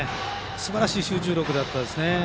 すばらしい集中力でした。